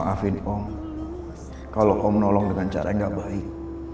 maafin om kalau om dengan cara yang gak baik